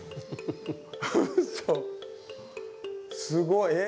すごい。